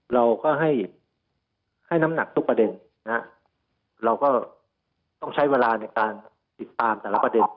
เราก็ให้ให้น้ำหนักทุกประเด็นนะฮะเราก็ต้องใช้เวลาในการติดตามแต่ละประเด็น